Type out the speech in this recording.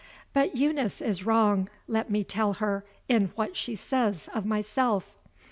But Eunice is wrong, let me tell her, in what she says of myself.